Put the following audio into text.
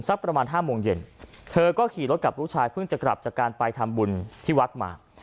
ประมาณห้าโมงเย็นเธอก็ขี่รถกับลูกชายเพิ่งจะกลับจากการไปทำบุญที่วัดมา